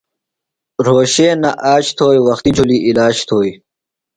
رھوشِیہ نہ نِس آج تھوئیۡ، وختیۡ جُھلیۡ عِلاج تھوئیۡ